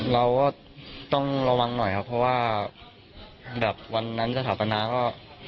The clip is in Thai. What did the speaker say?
เราก็ต้องระวังหน่อยครับเพราะว่าแบบวันนั้นสถาปนาก็